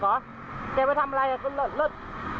เกลียวไปทำอะไรครับว่าเลิศ